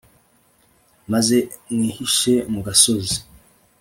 maze mwihishe mu gasozi